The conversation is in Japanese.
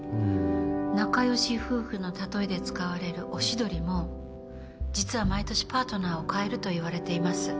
仲良し夫婦の例えで使われるオシドリも実は毎年パートナーを替えるといわれています。